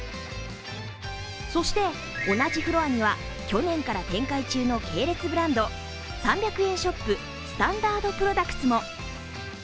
そして、同じフロアには去年から展開中の系列ブランド３００円ショップ・スタンダードプロダクツも。